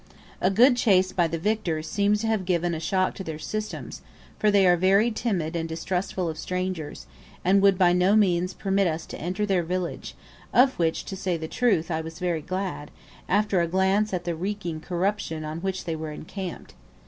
A good chase by the victors seems to have given a shock to their systems, for they are very timid and distrustful of strangers, and would by no means permit us to enter their village, of which, to say the truth, I was very glad, after a glance at the reeking corruption on which they were encamped.